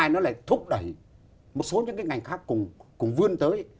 nó lại thúc đẩy một số những cái ngành khác cùng vươn tới